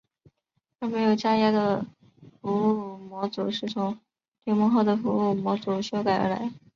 而没有加压的服务模组是从联盟号的服务模组修改而来。